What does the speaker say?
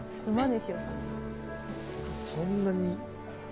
そんなに？